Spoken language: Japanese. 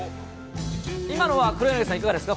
今のは黒柳さん、いかがですか？